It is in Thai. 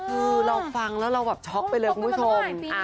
คือเราฟังแล้วเราแบบช็อกไปเลยคุณผู้ชม